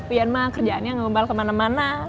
uian mah kerjaannya gak membal kemana mana